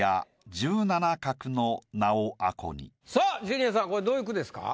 ジュニアさんこれどういう句ですか？